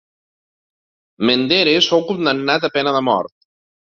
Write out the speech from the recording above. Menderes fou condemnat a pena de mort.